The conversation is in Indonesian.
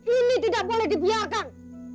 ini tidak boleh dibiarkan